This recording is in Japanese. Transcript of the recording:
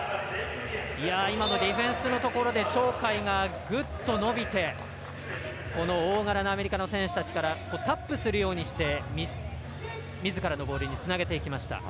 今のディフェンスのところで鳥海がぐっと伸びて大柄のアメリカの選手たちからタップするようにしてみずからのボールにつなげていきました。